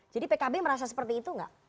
jadi pkb merasa seperti itu enggak